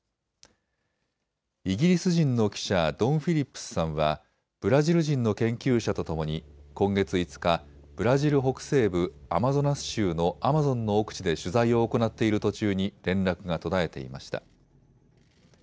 イギリス人の記者ドン・フィリップスさんはブラジル人の研究者とともに今月５日、ブラジル北西部アマゾナス州のアマゾンの奥地で取材を行っている途中に連絡が途絶えていました。